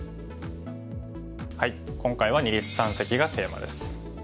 今回は二立三析がテーマです。